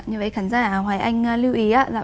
như vậy khán giả hoài anh lưu ý